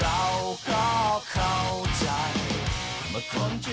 เราก็เข้าใจ